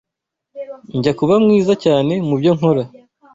Njya kuba mwiza cyane mubyo nkora.